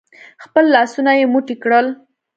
خپل لاسونه يې موټي کړل.